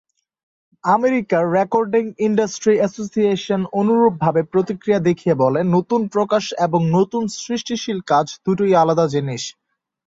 আমেরিকার recording industry association অনুরূপভাবে প্রতিক্রিয়া দেখিয়ে বলে, নতুন প্রকাশ এবং নতুন সৃষ্টিশীল কাজ দুটোই আলাদা জিনিস।